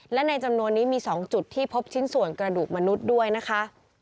และในจำนวนนี้มี๒จุดที่พบชิ้นส่วนกระดูกมนุษย์ด้วยนะคะ